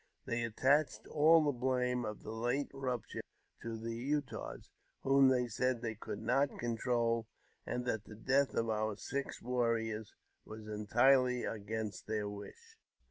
They attached all the blame of the late rupture to the Utahs, whom, they said, they could not control, and that the death of our six young warriors was entirely against their wish.